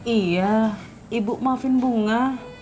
iya ibu maafin bunga